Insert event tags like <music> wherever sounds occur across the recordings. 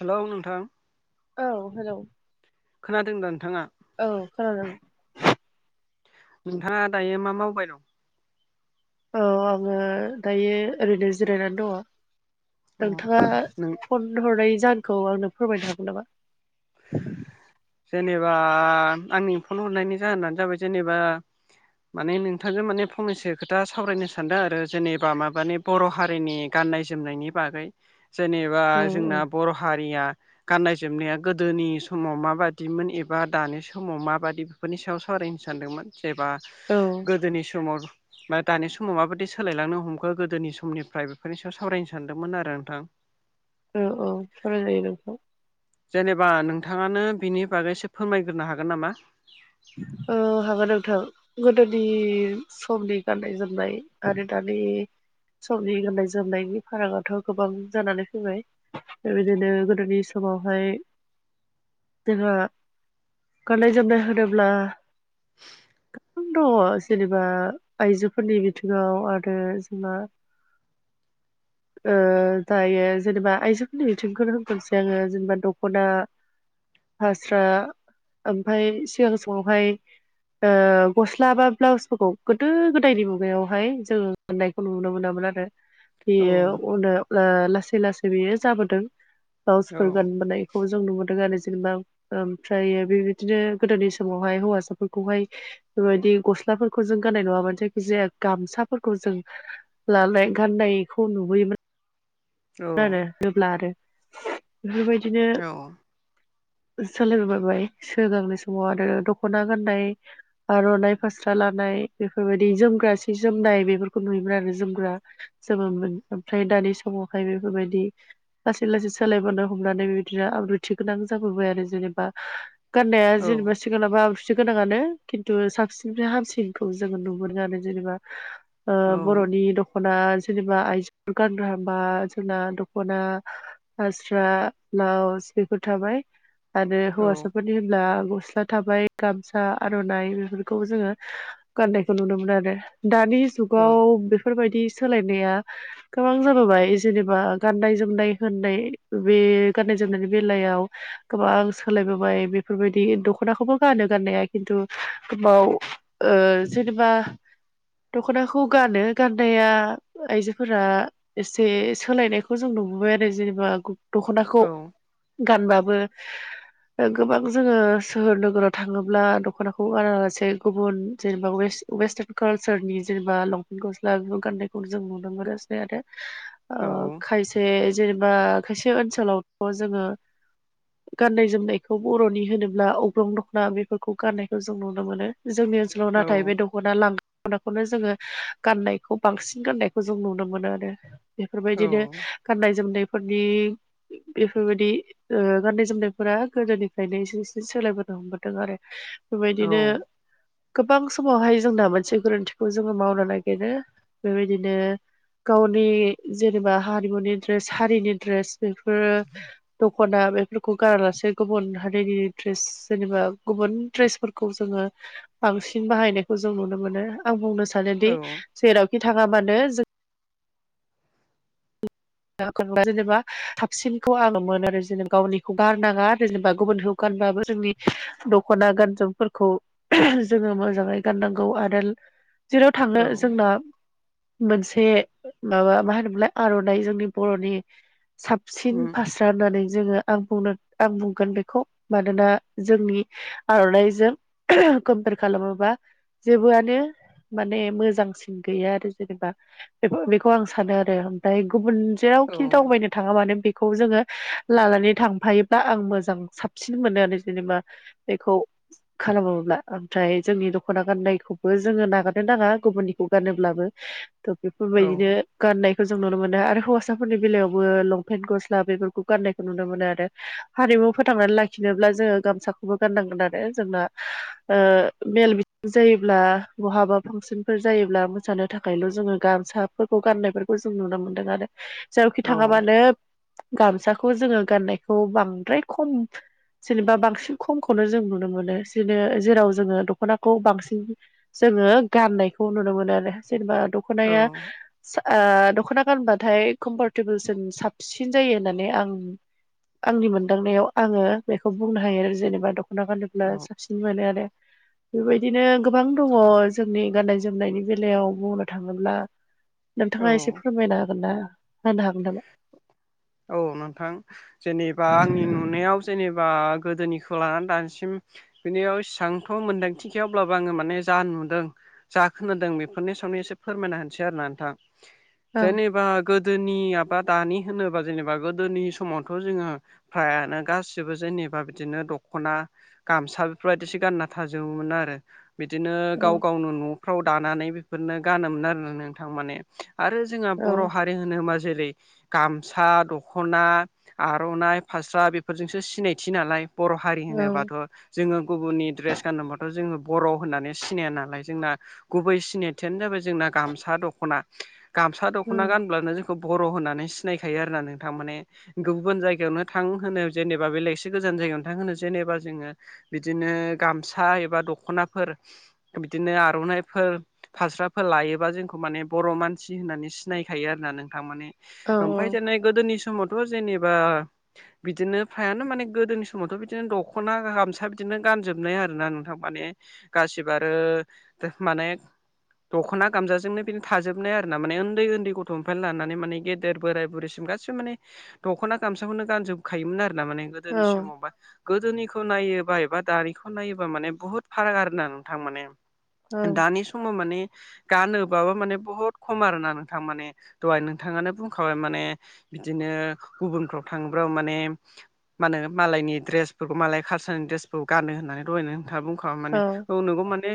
Hello नोंथां औ hello खोनादों दा नोंथाङा औ खोनादों नोंथाङा दायो मा मावबाय दं औ आङो दायो ओरैनो जिरायनानै दङ अ नोंथाङा नों फन हरनाय जाहोनखौ आंनो फोरमायनो हागोन नामा जेनेबा आंनि फन हरनायनि जाहोनानो जाबाय जेनेबा माने नोंथांजों माने फंनैसो खोथा सावरायनो सानदों आरो जेनेबा माबानि बर' हारिनि गाननाय जोमनायनि बागै जेनेबा औ जोंना बर' हारिया गाननाय जोमनाया गोदोनि समाव माबादि बिदिमोन एबा दानि समाव माबादि बेफोरनि सायाव सावरायहो सानदोंमोन। जबा औ गोदोनि समाव बा दानि समाव माबायदि सोलायलांनो हमगो गोदोनि समनिफ्राय बेफोरनि सायाव सावरायनो सानदोंमोन आरो नोंथां? <inaudible> औ औ साराय जायो नोंथां जेनेबा नोंथाङानो बिनि बागैसो फोरमायग्रोनो हागोन नामा औ हागोन नोंथां गोदोनि समनि गाननाय जोमनाय आरो दानि समनि गाननाय जोमनायनि फारागाथ' गोबां जानानै फैबाय बेबायदिनो गोदोनि समावहाय जोंहा गाननाय जोमनाय होनोब्ला <unintelligible> दङ जेनेबा आइजोफोरनि बिथिङाव आरो जोंबा <inaudible> ओ दायो जेनेबा आइजोफोरनि बिथिंखौनो होननोसै आङो जेनेबा दख'ना फास्रा ओमफ्राय सिगां समावहाय ओ गस्ला बा ब्लाउसफोरखौ गोदो गोदायनि मुगायावहाय जोङो मोननायखौ नुनो मोनामोन आरो औ बेयो उन लासै लासै बेयो जाबोदों औ ब्लाउसफोर गानबोनाय खौ जों नुदों आरो जेनेबा ओमफ्र बेबायदिनो गोदोनि समावहाय हौवासाफोरखौहाय बेबायदि गस्लाफोरखौ जों गाननाय नङा मानो जायखि जाया गामसाफोरखौ जों लालाय गानायखौ नुबोयोमोन औ <unintelligible> नो होब्ला आरो बेफोरबायदिनो औ सोलायबोबायबाय सिगांनि समाव आरो दख'ना गाननाय आर'नाइ फास्रा लानाय बेफोरबायदि जोमग्रा सि जोमनाय बेफोरखौ नुयोमोन आरो जोमग्रा जोबोमोन ओमफ्राय दानि समावहाय बेफोरबायदि लासै लासै सोलायबोनो हमनानै बेदिनो आब्रुथि गोनां जाबोबाय आरो जेनेबा गाननाया औ जेनोब थिखलाबा आबुथि गोनाङानो खिन्थु साबसिननिफ्राय हामसिनखौ जोङो नु मोनो आरो जेनेबा औ बर'नि दख'ना जेनेबा आइजोफोर गानग्रा हांबा जोंना दख'ना फासास्रा ब्लाउस बेफोर थाबाय आरो औ हौवासाफोरनि होनब्ला गस्ला थाबाय गामसा आर'नाइ बेफोरखौ जोङो गाननायखौ नुदोंमोन आरो दानि जुगाव बेफोरबायदि सोलायनाया गोबां जाबोबाय जेनेबा गाननाय जोमनाय होननाय बे गाननाय जोमनायनि बेलायाव गोबां सोलायबोबाय बेफोरबायदि दख'नाखौबो गानो गाननाया खिन्थु गोबाव ओ जेनेबा दख'नाखौ गानो गाननाया आइजोफोरा बे सोलायनायखौ जों नुबोबाय आरो जेनेबा गु दख'नाखौ। औ गानबाबो ओ गोबां जोंङो सोहोर नोगोराव थांङोब्ला दख'नाखौ ओ जे गुबुन जेनेबा वेस वेस्टार्न कालसारनि जेनेबा लंपेन्ट गस्ला बेफोर गान्नायखौ जों नुनो मोनासै आरो। ओ औ खायसे जेनेबा खायसे ओनसोलावथ' जोंङो गाननाय जोमनायखौ बर'नि होनोब्ला अग्रं दख'ना बेफोरखौ गाननायखौ जों नुनो मोनो जोंनि ओन ल' औ नाथाय बे दख खना लांगनाखौनो जोंङो गाननायखौ बांसिन गाननायखौ जों नुनो मोनो आरो। बेफोरबायदिनो गाननाय जोमनायफोरनि बेफोरबायदि ओ गाननाय जोमनायफोरा गोदोनिफ्रायनो एसे एसे सोलायबोनो हमबोदों आरो। औ फोबायदिनो गोबां समावहाय जोंना मोनसे गोरोन्थिखौ जोङो मावनो नागिरो बेबायदिनो गावनि जेनेबा हारिमुनि ड्रेस हारिनि दड्रेस बेफोरो दखना बेफोरखौ गारालासे गुबुन हारिनि ड्रेस जेनेबा गुबुन ड्रेसफोरखौ जोङो बांसिन बाहायनायखौ जों नुनो मोनो आं बुंनो औ सानोदि जेरावखि थाङा मानो जों जेनेबा साबसिनखौ आङोमोन आरो जेनेबा गावनिखौ गारनाङा आरो जेनेबा गुबुनखौ गानबाबो जोंनि दख'ना गानजोमफोरखौ जोंङो मोजांङै गाननांगौ आरो जेराव थांङो जोंना मोनसे माबा मा होनो मोनलाय आर'नाइ जोंनि बर'नि साबसिन उम फास्रा नानै जोंङो आं बुंनो आं बुंगोन बेखौ मानोना जोंनि आर'नाइजों कोमपर खालामोबा जेबोआनो माने मोजांसिन गैया आरो जेनेबा बे बेखौ आं सानो आरो ओमफ्राय गुबुन औ जेरावखि दावबायनो थाङा मानो बेखौ जोङो लानानै थांफायोब्ला आं मोजां साबसिन मोनो आरो जेनेबा बेखौ खालामोब्ला ओमफ्राय जोंनि दखना गाननायखौबो जोङो नागारनो नाङा गुबुननिखौ गानोब्लाबो थ' औ बेफोरबायदिनो गाननाय जों नुनो मोनो आरो हौवासाफोरनि बेलायावबो लंपेन्ट गस्ला बेफोरखौ गान्नायखौ नुनो मोनो आरो हारिमु फोथांनानै लाखिनोब्ला जोङो गामसाखौबो गाननांगोन आरो जोंना मेल जायोब्ला बहाबा फांसनफोर जायोब्ला मोसानो थाखायल' जोङो गामसाफोरखौ गाननायफोरखौ खौ जों नुनो मोनदों आरो जेरावखि औ थाङाबानो गामसाखौ जोङो गाननायखौ बांद्राय खम जेनेबा बांसिन खमखौनो जों नुनो मोनो जनो जेराव जोङो दख'नाखौ बांसिन जोङो गाननायखौ नुनो मोनो आरो जेनेबा औ दख'नाया दख'ना गानबाथाय कम्फरटेबोलसिम साबसिन जायो होननानै आं आंनि मोनदांनायाव आङो बेखौ बुंनो हायो आरो जेनेबा दना गानोब्ला साबसिन मोनो बेबायदिनो गोबां दङ जोंनि गाननाय जोमनायनि बेलायाव बुंनो थाङोब्ला नोंथाङा एसे औ फोरमायनो हागोन ना होनो हागोन नामा औ नोंथां जेनेबा आंनि नुनायाव जेनेबा गोदोनिखौ लानानै दासिम बिनियाव इबांथ' मोन्दांथि गै अब्लाबो आङो माने जा नुदों ज खोनादों बेफोरनि सायावनो एसे फोरमायना होनसै आरोोना नोंथां औ जेनेबा गोदोनि एाबा दानि होनोबा जेनेबा गोदोनि समावथ' जोङो फ्रायानो गासिबो जेनेबा बिदिनो दख'ना गामसा बेफोरबायदिसो गानना थाजोबोमोन आरो बिदिनो गाव औ गावनो न'फ्राव दानानै बेफोरनो गानोमोन आरो नोंथां माने आरो जोंहा औ बर' हारि होनोबा जेरै गामसा दख'ना आर'नाइ फास्रा बेफोरजोंसो सिनायथि नालाय बर' हारि औ होनोबाथ' जोङो गुबुननि दड्रेस गाननोबाथ' जोङो बर' होननानै सिनाया नालाय जोंना गुबै सिनायथियानो जाबाय जोंना गामसा दख'ना गामसा दख'ना गानब्लानो जोंखौ बर' होननानै सिनायखायो आरोना नोंथां माने गुबुन जायगायावनो थांहोनो जेनेबा बेलेगसो गोजान जायगायावनो थांहो जेनेबा जोङो बिदिनो गामसा एबा दख'नाफोर बिदिनो आर'नाइफोर फास्राफोर लायोबा जोंखौ माने बर' मानसि होननानै सिनायखायो आरोना नोंथां माने औ ओमफ्राय देने गोदोनि समावथ' जेनेबा बिदिनो फ्रायानो माने गोदोनि समावथ' बिदिनो दख'ना गामसा बिदिनो गानजोबनाय आरोोना नोंथां माने गासिबो आरो <unintelligible> माने दख'ना गामजाजोंनो बिनो थाजोबनाय आरोना माने ओदै ओन्दै गथ'निफ्राय लानानै माने गेदेर बोराय बुरिसिम गासिबो माने दख'ना गामसाखौनो गानजोबखायोमोन आरोना माने। औ गोदोनि समावबा गोदोनिखौ नायोबा एबा दानिखौ नायोबा माने बुहुत फाराग आरोना नोंथां माने। दानि समाव माने गानोबाबो माने बहुत खम आरोना नोंथां माने दहाय नोंथाङानो बुंखाबाय माने बिदिनो गुबुनफ्राव थाङोबा माने मा होनो मालायनिड्रेसफोरखौ मालाय कालसारनि दड्रेसफोरखौ गानो होननानै लयनो खोथा बुंखा माने औ नोंगौ माने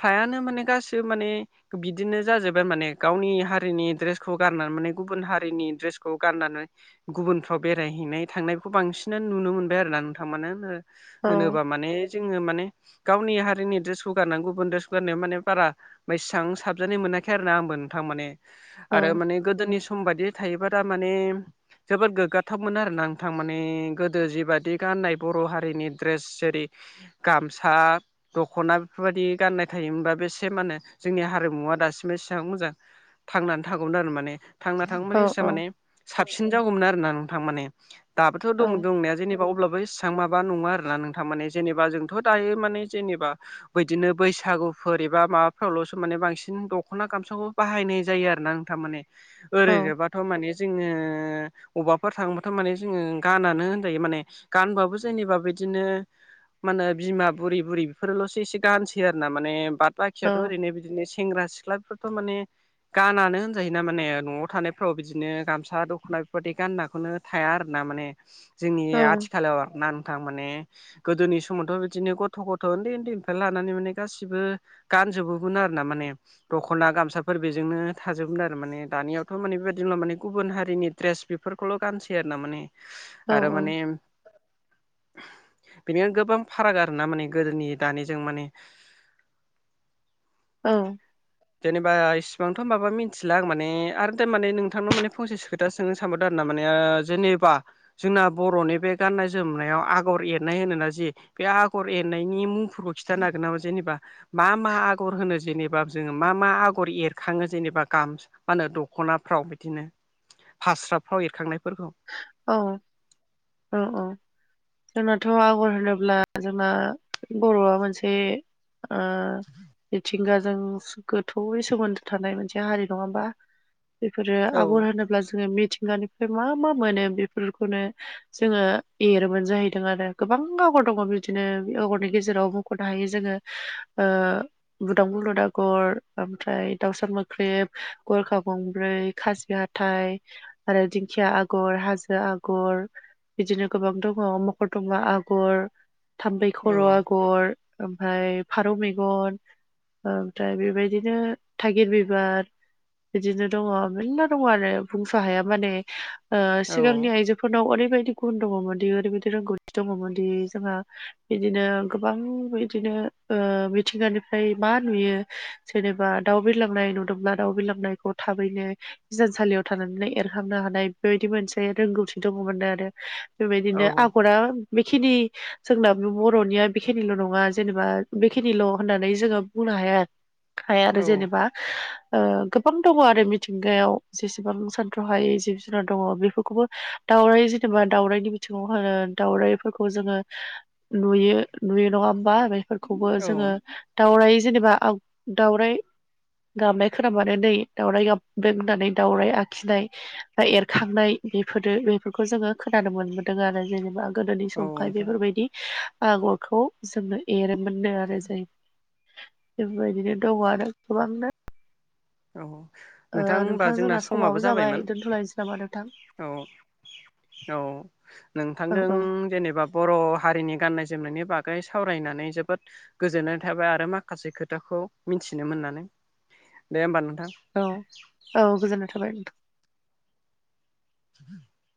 फ्रायानो माने गासिबो माने बिदिनो जाजोबबाय माने गावनि हारिनि ड्रेसखौ गारनानै माने गुबुन हारिनि दड्रेसखौ गाननानै गुबुनफ्राव बेरायहैनाय थांनायखौ बांसिन बि नुनो मोनबाय आरो ना नोंथां मानो होनोबा माने जोङो माने गावनि हारिनि द्रेसखौ गारनानै गुबुन ड्रेसखौ गारनाया माने बारा बेसेबां साबजानाय मोनाखै आरो ना आंबो नोंथां माने औ आरो माने गोदोनि सम बायदि थायोबा था माने जोबोद गोग्गाथावमोन आरोना नोंथां माने गोदो जिबायादि गाननाय बर' हारिनि ड्रेस जेरै गामसा दख'ना बेफोरबायदि गाननाय थायोमोनबा बेसे माने जोंनि हारिमुवा दासिमबो एसेबां मोजां थांनानै थागौमोन आरो माने थांना थागौ औ माने एसे माने साबसिन जागौमोन आरोना नोंथां माने। दाबोथ' दं दंनाया जेनेबा अब्लाबो एसे थां माबा नङा आरोना नोंथां माने जेनेबा जोंथ' दायो माने जेनेबा बैदिनो बैसागुफोर एबा माबाफ्रावल'सो माने बांसिन दख'ना गामसाखौ बाहायनाय जायो आरो नोंथां माने। औ ओरैनोबा थ' माने जोङो अबाफोर थांबाथ' माने जोङो गानानो होनजायो माने गानबाबो जेनेबा बिदिनो मा होनो बिमा बुरि बुरि बेफोरल'सो एसे गानसै आरो ना माने बाद बाखियाथ' ओरैनो बिदिनो सेंग्रा सिख्लाफोराथ' माने गानानो होनजायो ना माने न'आव थानायफ्राव बिदिनो गामसा दख'ना बेफोरबायदि गाननाखौनो थाया आरोना माने जोंनिया औ आथिखालाव ना नोंथां माने गोदोनि समावथ' बिदिनो गथ' गथ' उन्दै उन्दैनिफ्राय लानानै माने गासिबो गानजोबोमोन आरो ना माने दख'ना गामसाफोर बेजोंनो थाजोबोमोन आरो माने दानियावथ' थ' माने बेबायदिब्ला माने गुबुन हारिनि ड्रेस बेफोरखौल' गानसै आरोना माने आरो माने बेनिखायनो गोबां फाराग आरोना माने गोदोनि दानिजों माने औ। जेनेबा इसिबांथ' माबा मिथिला आं माने आरो थारमाने नोंथांनाव माने फंसे सो दा सोंनो सानबावदों आरोना ओ माने जेेनेबा जोंना बर'नि बे गाननाय जोमनायाव आगर एरनाय होनोना जि बे आगर एरनायनि मुंफोरखौ खिन्थानो हागोन नामा जेनेबा मा मा आगर होनो जेनेबा? जोङो मा मा आगर एरखाङो जेनेबा गाम मा होनो दख'नाफ्राव बिदिनो? फास्राफ्राव एरखांनायफोरखौ। औ उम उम। जोंनाथ' आगर होनोब्ला जोंना बर'आ मोनसे ओ मिथिंगाजों गोथौयै सोमोन्दो थानाय मोनसे हारि नङा होमबा? बेफोरो औ आगर होनोब्ला जोङो मिथिंगानिफ्राय मा मा मोनो बेफोरखौनो जोङो एरोमोन जाहैदों आरो गोबां आगर दङ' बिदिनो आगरनि गेजेराव मुख'नो हायो जोङो ओ बुद्दां बुलुद आगर ओमफ्राय दाउसा मोख्रेब, गरखा गंब्रै खाजियाट थाय आरो दिंखिया आगर हाजो आगर बिदिनो गोबां दङ मखर दंब आगर थामबै औ खर' आगर ओमफ्राय फारौ मेगन ओमफ्राय बेबायदिनो थागिर बिबार बिदिनो दङ मेरला दङ आरो बुंस' हाया माने सिगांनि आइजोफोरनाव ओरैबायदि गुन दङमोनदि ओरैबायदि रोंगौथि दङमोनदि जोंहा बिदिनो गोबां बिदिनो मिथिंगानिफ्राय मा नुयो जेनेबा दाउ बिलांनाय नुदोंब्ला दाउ बिलांनायखौ थाबैनो बिजानसालियाव थानानै एरखाबनो हानाय बेबायदि मोनसे <unintelligible> रोंगौथि दङ'मोननो आरो बेबायदिनो औ आगरा बेखिनि जोंना बर'निया बेखिनिल' नङा जेनेबा बेखिनिल' होननानै जोङो बुंनो हाया। हाया आरो औ जेनेबा। ओ गोबां दङ' आरो मिथिंगायाव जेसेबां सान्थ'हायै जिब जुनार दङ' बेखौ खौबो दाउराइ जेनेबा दाउराइनि बिथिङाव होनो दाउराइफोरखौ जोङो नुयो नुयो नङा होमबा बेफोरखौबो औ जोङो दाउराइ जेनेबा आग दाउराइ गाबनाय खोनोमानो नै दाउराइ गाबदों होननानै दाउराय आखिनाय दा एरखांनाय बेफोरो बेफोरखौ जोङो खोनानो मोनबोदों आरो जेनेबा गोदोनि औ समखाय नोंथां बेफोरबायदि आगरखौ जोङो एरोमोननो आरो जाय बेबायदिनो दङ आरो गोबांनो औ ओ नोंथां होनबा जोंना समाबो जाबाय जाबायमोन दोनथ'लायनोसै नामा नोंथां औ औ औ नोंथांदों औ जेनेबा बर' हारिनि गाननाय जोमनायनि बागै सावरायनानै जोबोद गोजोननाय थाबाय आरो माखासे खोथाखौ मिथिनो मोननानै दे होमबा नोंथां औ औ गोजोननाय थाबाय नोंथां <inaudible>